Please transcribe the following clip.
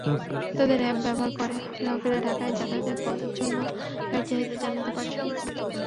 তাদের অ্যাপ ব্যবহার করে গ্রাহকেরা ঢাকায় যাতায়াতের জন্য গাড়ির চাহিদা জানাতে পারছেন।